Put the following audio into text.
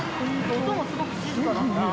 音もすごく静かだから。